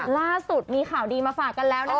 ล่าสุดมีข่าวดีมาฝากกันแล้วนะคะ